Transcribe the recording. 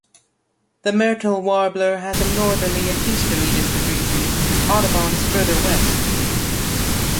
The myrtle warbler has a northerly and easterly distribution, with Audubon's further west.